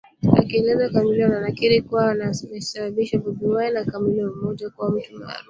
akieleza Chameleone anakiri kuwa ameshawishiwa na Bobi Wine Chameleone ni mmoja wa wanamuziki maarufu